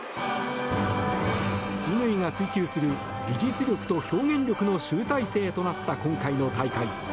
乾が追求する技術力と表現力の集大成となった今回の大会。